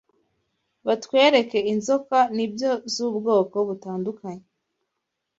batwereke inzoka nibyo zubwoko butandukanye